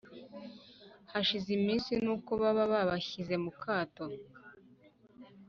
hashize iminsi nuko baba babashyize mu kato